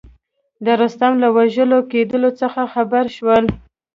د رستم له وژل کېدلو څخه خبر شول.